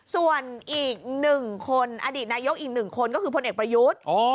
ส่วนอีก๑คนอดีตนายกอีก๑คนก็คือพลเอกประยุทธ์